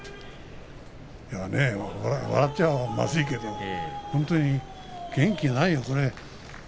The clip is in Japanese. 笑っちゃまずいけど本当に元気ないよ。